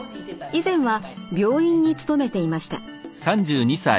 以前は病院に勤めていました。